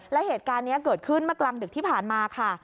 และเหตุการณ์นี้เกิดขึ้นเมื่อกลางดึกที่ผ่านมาค่ะ